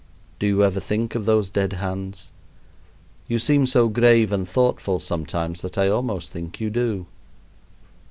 Do you ever think of those dead hands? You seem so grave and thoughtful sometimes that I almost think you do.